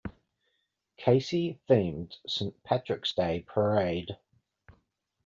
Casey themed Saint Patrick's Day Parade.